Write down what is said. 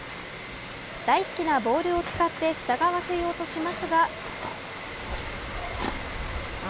大好きなボールを使って従わせようとしますが。